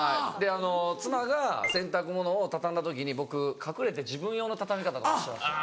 妻が洗濯物を畳んだ時に僕隠れて自分用の畳み方とかしちゃうんですよ。